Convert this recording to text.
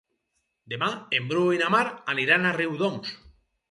Demà en Bru i na Mar aniran a Riudoms.